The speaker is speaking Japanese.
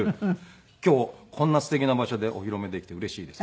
今日こんなすてきな場所でお披露目できてうれしいです。